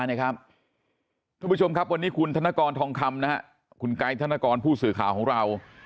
ท่านผู้ชมครับวันนี้คุณธนกรทองคำคุณไกด์ธนกรผู้สื่อข่าวของเรา